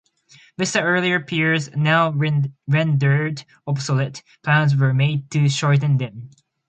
With the earlier piers now rendered obsolete, plans were made to shorten them.